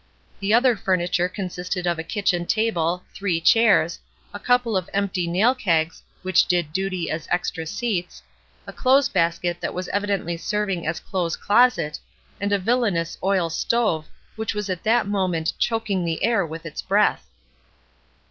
The other furniture consisted of a kitchen table. A "CROSS" TRAIL 173 three chairs, a couple of empty nail kegs, which did duty as extra seats, a clothes basket that was evidently serving as clothes closet, and a villanous oil stove, which was at that moment choking the air with its breath.